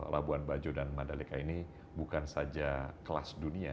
labuan bajo dan mandalika ini bukan saja kelas dunia